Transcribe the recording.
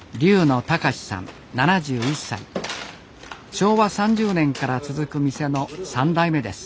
昭和３０年から続く店の３代目です。